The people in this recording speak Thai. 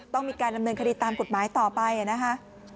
ต้องมีการดำเนินคดีตามกฎหมายต่อไปนะคะ